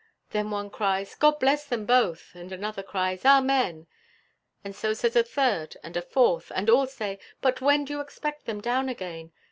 Then one cries, "God bless them both," and another cries, "Amen;" and so says a third and a fourth; and all say, "But when do you expect them down again?